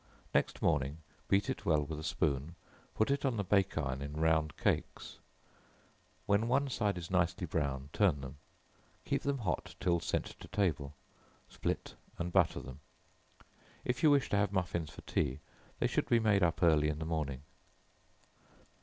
Next morning beat it well with a spoon, put it on the bake iron in round cakes; when one side is nicely brown, turn them; keep them hot till sent to table, split and butter them. If you wish to have muffins for tea, they should be made up early in the Morning.